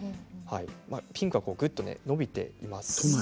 ピンクはぐっと伸びていますね。